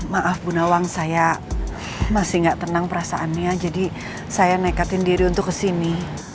maaf bu nawang saya masih gak tenang perasaannya jadi saya nekatin diri untuk kesini